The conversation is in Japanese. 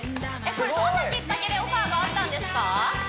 これどんなきっかけでオファーがあったんですか？